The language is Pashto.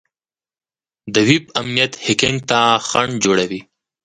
د ویب امنیت هیکینګ ته خنډ جوړوي.